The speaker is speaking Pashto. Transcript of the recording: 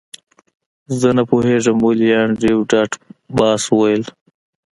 زه نه پوهیږم ولې انډریو ډاټ باس وویل